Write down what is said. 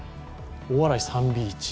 大洗サンビーチ。